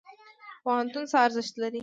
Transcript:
پوهنتون څه ارزښت لري؟